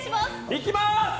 いきます！